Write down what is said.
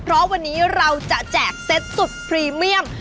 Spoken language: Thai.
เพราะวันนี้เราจะแจกเซ็ตสุดพรีเมียม